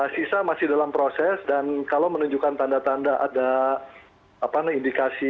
sisa masih dalam proses dan kalau menunjukkan tanda tanda ada indikasi